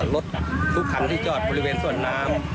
รถทุกคันที่จอดบริเวณสวนน้ำ